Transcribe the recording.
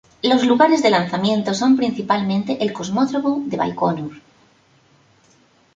Los lugares de lanzamiento son principalmente el Cosmódromo de Baikonur.